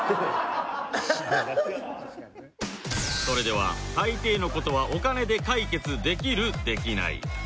それでは大抵の事はお金で解決できるできない